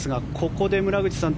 ここで村口さん